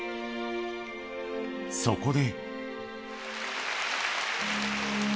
そこで。